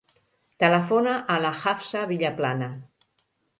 Telefona a la Hafsa Villaplana.